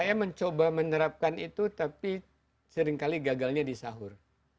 saya mencoba menerapkan itu tapi seringkali gagalnya di sahur